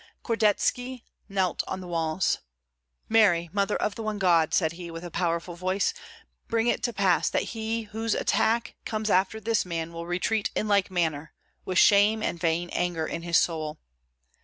Kordetski knelt on the walls. "Mary! Mother of the one God," said he, with a powerful voice, "bring it to pass that he whose attack comes after this man will retreat in like manner, with shame and vain anger in his soul."